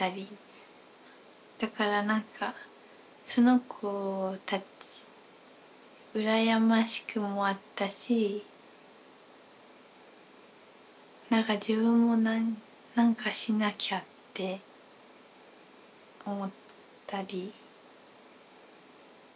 だからなんかその子たち羨ましくもあったしなんか自分も何かしなきゃって思ったり。